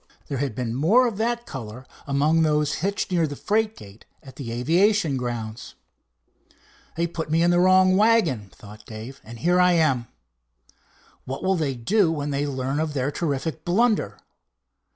There had been more of that color among those hitched near the freight gate at the aviation grounds. "They put me in the wrong wagon," thought Dave, "and here I am. What will they do when they learn of their terrific blunder?"